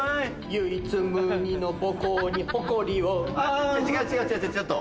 唯一無二の母校に誇りをあ違う違うちょっと。